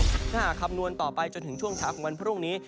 ถ้าหากคำนวณต่อไปจนถึงช่วงเช้าของวันพรุ่งนี้